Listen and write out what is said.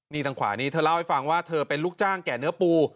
นี่ทางขวานี้เธอเล่าให้ฟังว่าเธอเป็นลูกจ้างแก่เนื้อปู